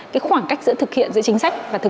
cái khoảng cách giữa thực hiện giữa chính sách